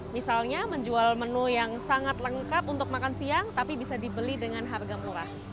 misalnya menjual menu yang sangat lengkap untuk makan siang tapi bisa dibeli dengan harga murah